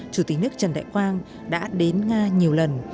chủ tịch nước trần đại quang đã đến nga nhiều lần